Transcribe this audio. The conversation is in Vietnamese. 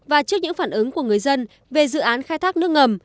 và trước những phản ứng của người dân về dự án khai thác nước ngầm